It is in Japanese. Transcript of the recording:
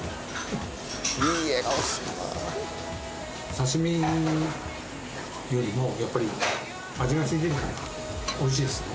刺身よりもやっぱり味がついてるから美味しいですね。